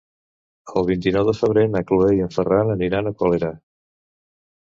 El vint-i-nou de febrer na Cloè i en Ferran aniran a Colera.